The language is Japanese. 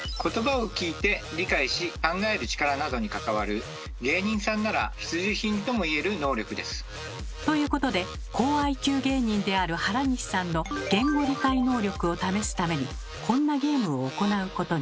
そして芸人さんなら必需品ともいえる能力です。ということで高ＩＱ芸人である原西さんの言語理解能力を試すためにこんなゲームを行うことに。